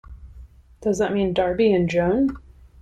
Does that mean Darby and Joan?